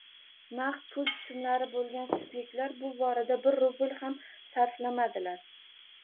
Naqd pul tushumlari bo'lgan sub'ektlar bu borada bir rubl ham sarflamadilar